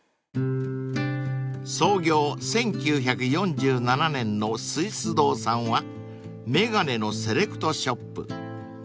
［創業１９４７年のスイス堂さんは眼鏡のセレクトショップ］